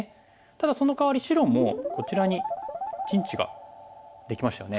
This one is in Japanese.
ただそのかわり白もこちらに陣地ができましたよね。